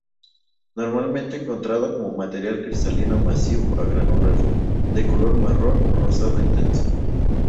Normalmente encontrada como material cristalino-masivo a granular, de color marrón-rosado intenso.